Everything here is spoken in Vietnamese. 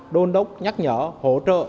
đôn đốc nhắc nhở hỗ trợ